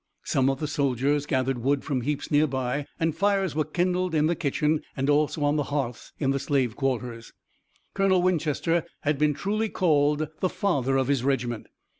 Some of the soldiers gathered wood from heaps nearby and fires were kindled in the kitchen, and also on the hearths in the slave quarters. Colonel Winchester had been truly called the father of his regiment.